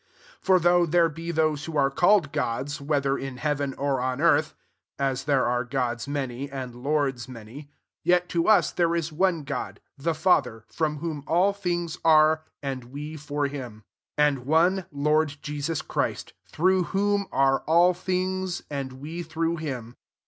5 For though there be those who are called gods, whether in heaven or on earth, (as there are gfods many, and lords many,) 6 yet to usj there ia one God, the Father, from whom all things are^ and we for him ; and one Lord Jesus Christ, through whom are aH things, and we through him.